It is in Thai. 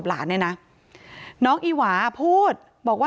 ในอ้วนแฟนใหม่เนี่ยเป็นคนสวน